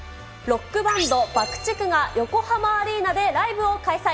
ロックバンド、バクチクが横浜アリーナでライブを開催。